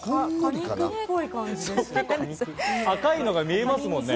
赤いのが見えますね。